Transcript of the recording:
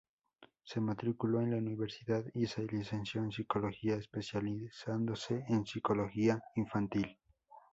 Se matriculó en la universidad y se licenció en Psicología, especializándose en psicología infantil.